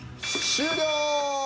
終了。